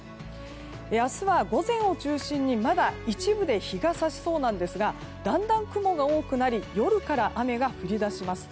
明日は午前を中心に、まだ一部で日が差しそうなんですがだんだん雲が多くなり夜から雨が降り出します。